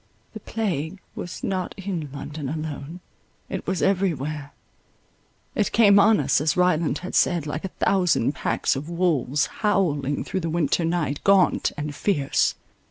The plague was not in London alone, it was every where—it came on us, as Ryland had said, like a thousand packs of wolves, howling through the winter night, gaunt and fierce.